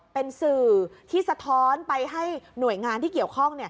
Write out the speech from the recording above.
เป็นสื่อที่สะท้อนไปให้หน่วยงานที่เกี่ยวข้อง